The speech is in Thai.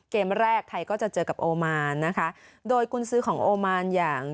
เกมแรกไทยก็จะเจอกับโอมานนะคะโดยกุญซื้อของโอมานอย่าง